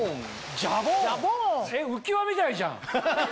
浮輪みたいじゃん。